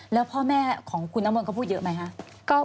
แล้วพ่อแม่ของคุณน้ำมนต์เขาพูดเยอะไหมคะ